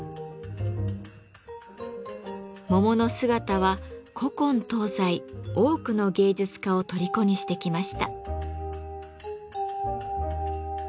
桃の姿は古今東西多くの芸術家をとりこにしてきました。